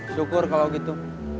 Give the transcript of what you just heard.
syukur kalau gitu